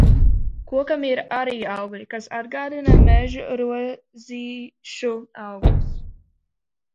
Kokam ir arī augļi, kas atgādina mežrozīšu augļus.